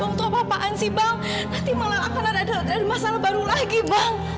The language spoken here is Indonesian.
nanti malah akan ada masalah baru lagi bang